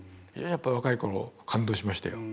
やっぱり若い頃感動しましたよ。